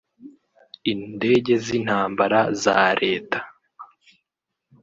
Indege z’intambara za reta